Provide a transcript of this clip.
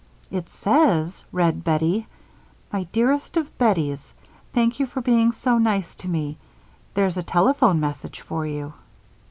"It says," read Bettie: "'My dearest of Betties: Thank you for being so nice to me. There's a telephone message for you.'"